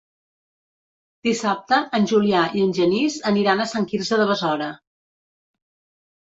Dissabte en Julià i en Genís aniran a Sant Quirze de Besora.